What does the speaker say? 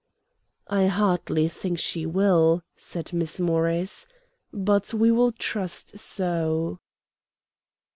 "I hardly think she will," said Miss Morris, "but we will trust so."